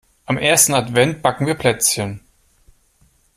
Am ersten Advent backen wir Plätzchen.